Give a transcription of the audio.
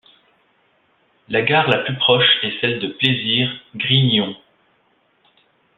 La gare la plus proche est celle de Plaisir - Grignon.